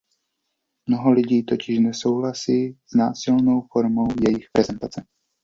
Mnoho lidí totiž nesouhlasí s násilnou formou jejich prezentace.